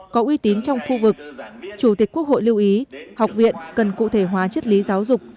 có uy tín trong khu vực chủ tịch quốc hội lưu ý học viện cần cụ thể hóa chất lý giáo dục